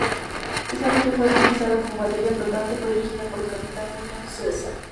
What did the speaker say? Se sabe que fue utilizada como batería flotante. Fue dirigida por el capitán William Caesar.